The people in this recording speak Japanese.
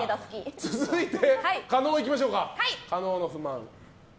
続いて、加納の不満いきましょうか。